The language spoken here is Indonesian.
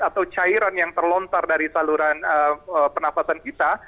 atau cairan yang terlontar dari saluran pernafasan kita